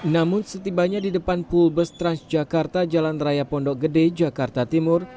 namun setibanya di depan pul bus transjakarta jalan raya pondok gede jakarta timur